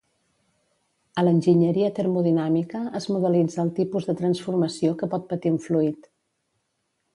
A l'enginyeria termodinàmica es modelitza el tipus de transformació que pot patir un fluid.